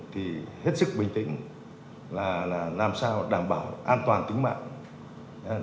thì hết sức bình tĩnh là làm sao đảm bảo an toàn tính mạng